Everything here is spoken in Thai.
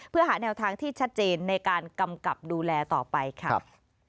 เพื่อหาแนวทางที่ชัดเจนในการกำกับดูแลต่อไปค่ะ